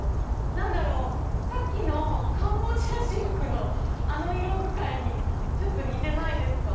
何だろうさっきのカンボジアシルクのあの色使いに似てないですか？